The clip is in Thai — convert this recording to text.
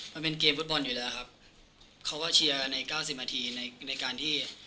มันเป็นเกมฟุตบอลอยู่แล้วครับเขาก็เชียร์กันในเก้าสิบนาทีในในการที่